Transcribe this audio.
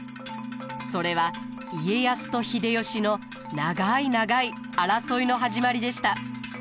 それは家康と秀吉の長い長い争いの始まりでした。